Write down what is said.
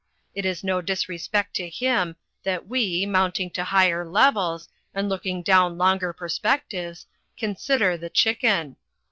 It is no disrespect to him that we, mounting to higher levels, and looking down longer perspectives, consider the chicken.